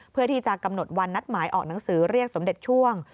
เพื่อที่จะกำหนดวันนัดหมายออกหนังสือเรียกสมเด็จช่วง